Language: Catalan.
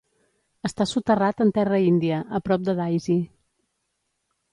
Està soterrat en terra índia, a prop de Daisy.